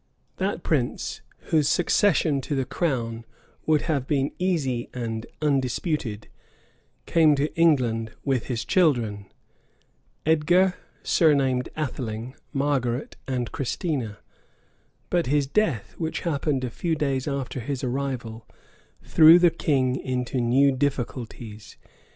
That prince, whose succession to the crown would have been easy and undisputed, came to England with his children, Edgar, surnamed Atheling, Margaret, and Christina; but his death, which happened a few days after his arrival, threw the king into new difficulties.